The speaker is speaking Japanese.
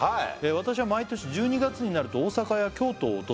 「私は毎年１２月になると大阪や京都を訪れ」